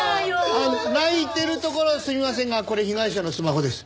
泣いてるところすみませんがこれ被害者のスマホです。